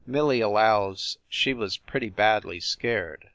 Millie allows she was pretty badly scared.